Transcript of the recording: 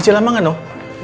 masih lama gak noh